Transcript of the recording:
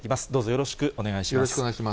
よろしくお願いします。